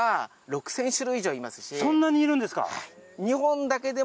そんなにいるんですか！